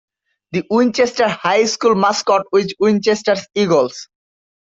The Winchester High School mascot was Winchester Eagles.